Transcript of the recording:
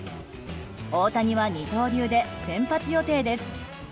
大谷は二刀流で先発予定です。